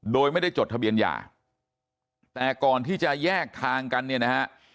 โดยไม่ได้จดทะเบียนยาแต่ก่อนที่จะแยกทางกันเนี่ยนะฮะ